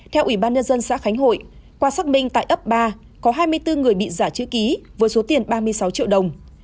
theo ủy ban nhân dân xã khánh hội qua xác minh tại ấp ba có hai mươi bốn người bị giả chữ ký với số tiền ba mươi sáu triệu đồng